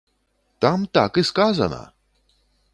Там так і сказана!